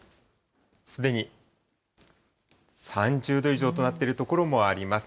すでに３０度以上となってる所もあります。